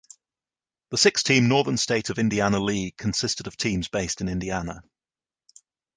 The six–team Northern State of Indiana League consisted of teams based in Indiana.